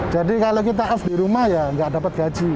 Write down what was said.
jadi kalau kita as di rumah ya nggak dapat gaji